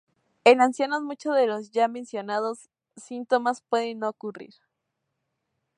En ancianos, muchos de los ya mencionados síntomas pueden no ocurrir.